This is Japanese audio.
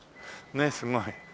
ねえすごい。